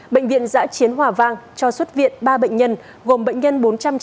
bệnh viện giã chiến hòa vang cho xuất viện ba bệnh nhân gồm bệnh nhân bốn trăm chín mươi